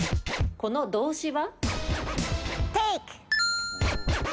この動詞は？